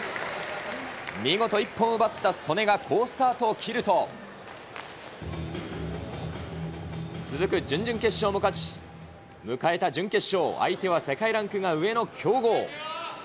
見事一本を奪った素根が好スタートを切ると、続く準々決勝も勝ち、迎えた準決勝、相手は世界ランクが上の強豪。